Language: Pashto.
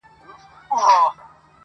مرور نصیب به هله ورپخلا سي.!